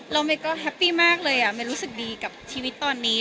เรามันก็แฮปปี้มากเลยอ่ะรู้สึกดีกับชีวิตตอนนี้